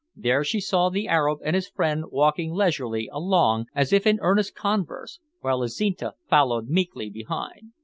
There she saw the Arab and his friend walking leisurely along as if in earnest converse, while Azinte followed meekly behind.